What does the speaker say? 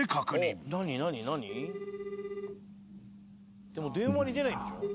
プルルルでも電話に出ないんでしょ。